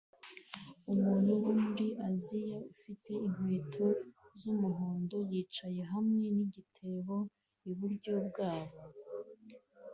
Umuntu wo muri Aziya ufite inkweto z'umuhondo yicaye hamwe nigitebo iburyo bwabo